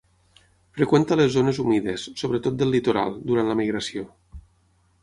Freqüenta les zones humides, sobretot del litoral, durant la migració.